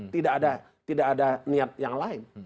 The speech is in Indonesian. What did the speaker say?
tidak ada niat yang lain